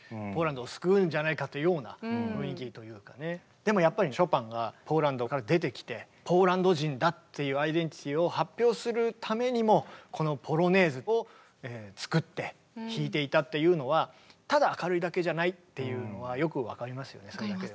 まさしくでもやっぱりショパンがポーランドから出てきてポーランド人だっていうアイデンティティーを発表するためにもこの「ポロネーズ」を作って弾いていたっていうのはただ明るいだけじゃないっていうのはよく分かりますよね。